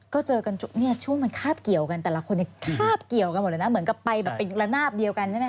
ก็เจอกันเนี่ยช่วงมันคาบเกี่ยวกันแต่ละคนเนี่ยคาบเกี่ยวกันหมดเลยนะเหมือนกับไปแบบเป็นระนาบเดียวกันใช่ไหม